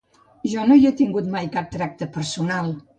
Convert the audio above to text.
Jo no hi he tingut mai cap tracte personal.